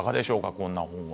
こんな本は。